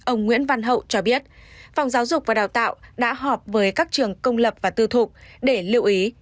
ông nguyễn văn hậu cho biết phòng giáo dục và đào tạo đã họp với các trường công lập và tư thục để lưu ý